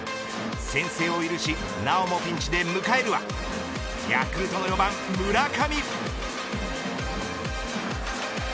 先制を許しなおもピンチで迎えるはヤクルトの４番、村上。